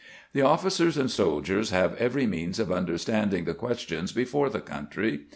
The officers and soldiers have every means of understanding the questions before the country.